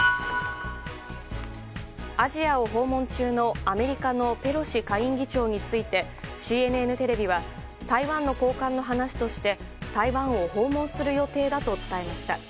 アジアを訪問中のアメリカのペロシ下院議長についてＣＮＮテレビは台湾の高官の話として台湾を訪問する予定だと伝えました。